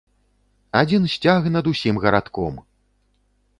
Адзін сцяг над усім гарадком!